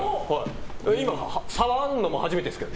今、触るのも初めてですけど。